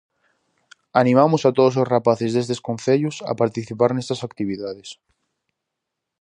Animamos a todos os rapaces destes concellos a participar nestas actividades.